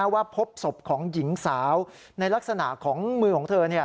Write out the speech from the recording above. ว่าพบศพของหญิงสาวในลักษณะของมือของเธอ